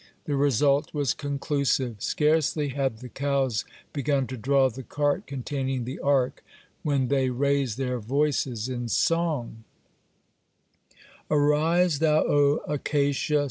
The result was conclusive. Scarcely had the cows begun to draw the cart containing the Ark when they raised their voices in song: Arise thou, O Acacia!